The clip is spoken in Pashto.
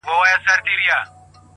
چي يوه لپه ښكلا يې راته راكړه-